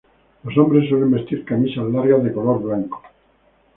Los hombres suelen vestir camisas largas de color blanco.